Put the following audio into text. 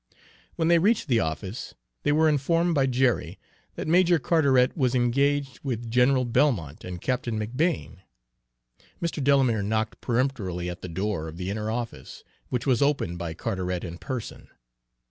When they reached the office, they were informed by Jerry that Major Carteret was engaged with General Belmont and Captain McBane. Mr. Delamere knocked peremptorily at the door of the inner office, which was opened by Carteret in person.